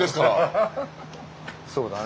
そうだね。